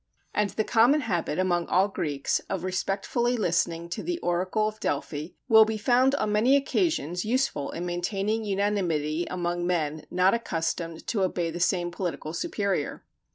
And the common habit among all Greeks of respectfully listening to the oracle of Delphi will be found on many occasions useful in maintaining unanimity among men not accustomed to obey the same political superior.